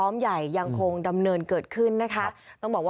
ในเวลาเดิมคือ๑๕นาทีครับ